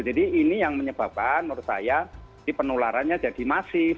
jadi ini yang menyebabkan menurut saya penularannya jadi masif